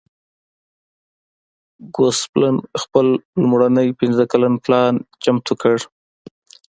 ګوسپلن خپل لومړنی پنځه کلن پلان چمتو کړ.